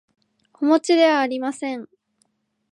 おもちではありません